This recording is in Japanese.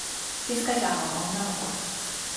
しずかちゃんは女の子。